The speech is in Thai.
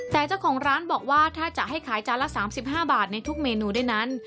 แต่เจ้าของร้านบอกว่าถ้าจะให้ขายจานละ๓๕บาทในทุกเมนูด้วยนั้น